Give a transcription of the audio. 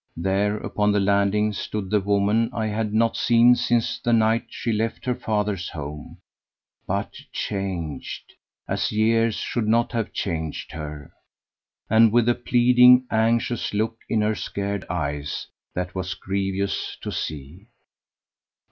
There, upon the landing, stood the woman I had not seen since the night she left her father's home, but changed, as years should not have changed her, and with a pleading anxious look in her scared eyes that was grievous to see.